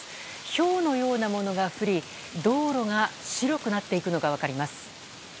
ひょうのようなものが降り道路が白くなっていくのが分かります。